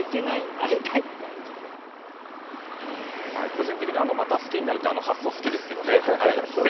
個人的にはまた好きになるっていうあの発想、好きですけどね。